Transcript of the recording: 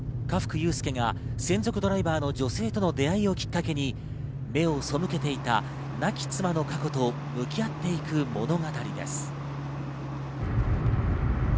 家福悠介が専属ドライバーの女性との出会いをきっかけに目を背けていた亡き妻の過去と向き合っていく物語です。